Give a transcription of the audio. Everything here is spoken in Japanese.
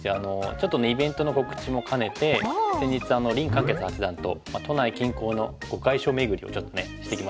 ちょっとねイベントの告知も兼ねて先日林漢傑八段と都内近郊の碁会所めぐりをちょっとしてきました。